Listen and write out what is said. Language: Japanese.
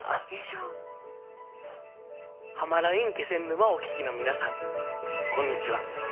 「はまらいん気仙沼」をお聴きの皆さんこんにちは。